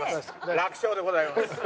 楽勝でございます。